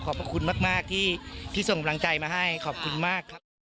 ขอบคุณมากที่ส่งกำลังใจมาให้ขอบคุณมากครับ